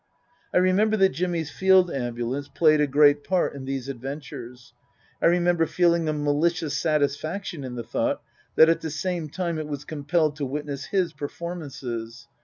I remember that Jimmy's Field Ambulance played a great part in these adventures. I remember feeling a malicious satisfaction in the thought that at the same time it was compelled to witness his performances.